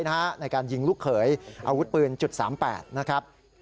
ในการยิงลูกเขยอาวุธปืน๓๘นะครับ